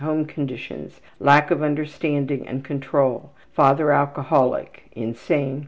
Home conditions: Lack of understanding and control. Father alcoholic, insane